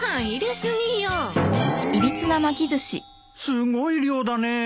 すごい量だね。